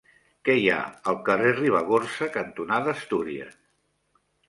Què hi ha al carrer Ribagorça cantonada Astúries?